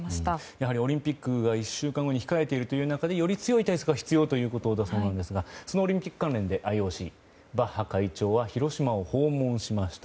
やはりオリンピックが１週間に控えている中でより強い対策が必要ということなんだそうですがそのオリンピック面でＩＯＣのバッハ会長は広島を訪問しました。